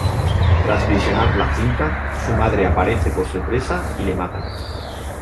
Tras visionar la cinta, su madre aparece por sorpresa y le mata.